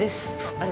あれ？